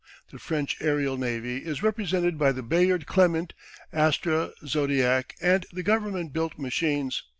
The French aerial navy is represented by the Bayard Clement, Astra, Zodiac, and the Government built machines.